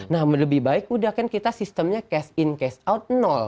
nah lebih baik udah kan kita sistemnya cash in case out